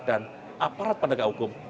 dan aparat penegak hukum